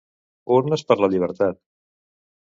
Urnes per la llibertat'